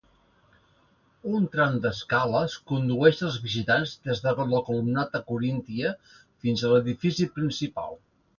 Un tram d'escales condueix els visitants des de la columnata coríntia fins a l'edifici principal.